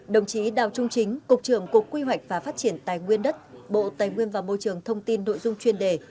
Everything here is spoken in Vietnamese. đồng chí đào trung chính cục trưởng cục quy hoạch và phát triển tài nguyên đất bộ tài nguyên và môi trường thông tin nội dung chuyên đề